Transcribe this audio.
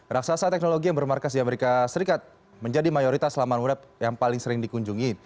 raksasa teknologi yang bermarkas di amerika serikat menjadi mayoritas laman web yang paling sering dikunjungi